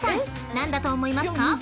何だと思いますか？］